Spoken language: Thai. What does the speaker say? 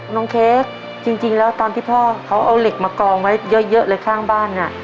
เค้กจริงแล้วตอนที่พ่อเขาเอาเหล็กมากองไว้เยอะเลยข้างบ้าน